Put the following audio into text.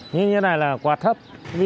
như thế này là quá thấp